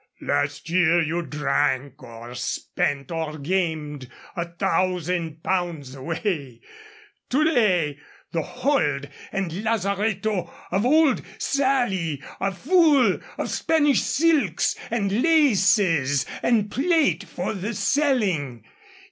Last year you drank or spent or gamed a thousand pounds away. To day the hold and lazaretto of old Sally are full of Spanish silks and laces and plate for the selling.